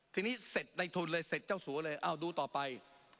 ทีนี้เสร็จในทุนเลยเสร็จเจ้าสัวเลยเอาดูต่อไป